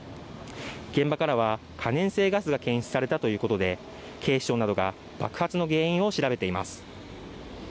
現場からは可燃性ガスが検出されたということで警視庁などが爆発の原因を調べています。